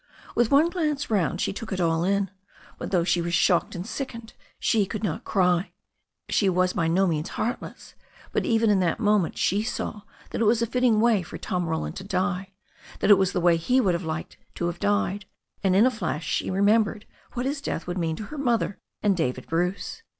With one glance round she took it all in, but though she was shocked and sickened she could not cry. She was by no means heartless, but even in that moment she saw that it was a fitting way for Tom Roland to die, that it was the way he would like to have died, and then in a flash she remembered what his death would mean to her mother and David Bruce.